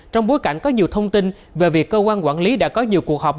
trong bối cảnh có nhiều thông tin về việc cơ quan quản lý đã có nhiều cuộc họp